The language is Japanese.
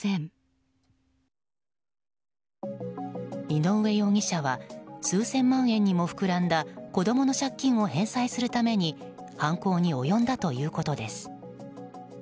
井上容疑者は数千万円にも膨らんだ子供の借金を返済するために犯行に及んだということです。